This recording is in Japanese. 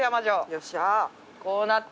よっしゃ。